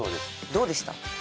どうでした？